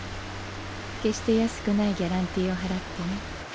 決して安くないギャランティーを払ってね。